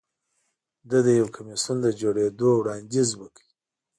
ده د یو کمېسیون د جوړېدو وړاندیز وکړ